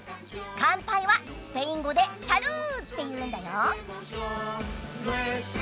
かんぱいはスペイン語で「サルー」っていうんだよ。